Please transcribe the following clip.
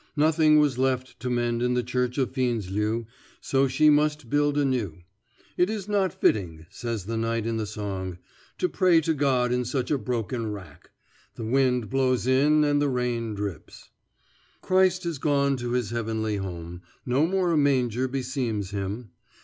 Nothing was left to mend in the church of Fjenneslev, so she must build a new. "It is not fitting," says the knight in the song, "to pray to God in such a broken wrack. The wind blows in and the rain drips": Christ has gone to His heavenly home; No more a manger beseems Him.